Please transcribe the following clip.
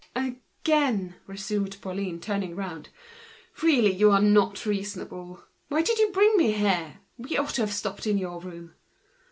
"Again!" resumed Pauline, turning round. "Really you are not reasonable. Why did you bring me here? We ought to have stopped in your room."